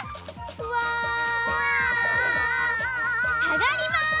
さがります。